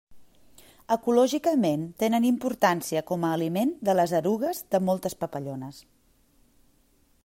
Ecològicament tenen importància com a aliment de les erugues de moltes papallones.